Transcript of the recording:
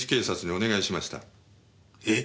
えっ？